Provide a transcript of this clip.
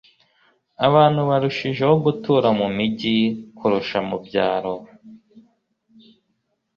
abantu barushijeho gutura mu mijyi kurusha mu byaro.